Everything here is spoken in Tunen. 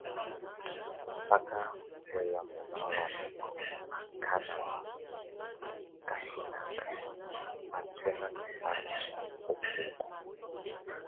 Bak wéye mona wa mɛkɔ ákan o kafɛnak, a túɛna n‘ omban, ombok o.